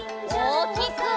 おおきく！